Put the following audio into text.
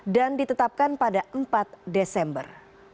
dan ditetapkan pada empat desember